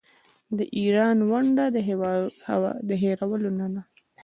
د ایران ونډه د هیرولو نه ده.